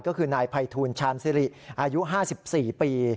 ก็คือนายภัยทูลชาญสิริอายุ๕๔ปี